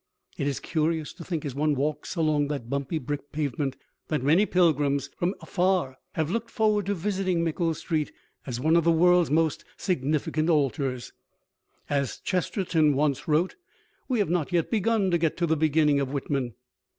It is curious to think, as one walks along that bumpy brick pavement, that many pilgrims from afar have looked forward to visiting Mickle Street as one of the world's most significant altars. As Chesterton wrote once, "We have not yet begun to get to the beginning of Whitman."